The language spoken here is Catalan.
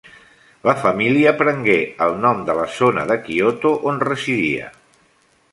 La família prengué el nom de la zona de Kyoto on residia.